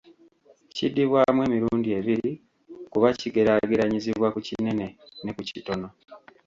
Kiddibwamu emirundi ebiri, kuba kigeraageranyizibwa ku kinene ne ku kitono.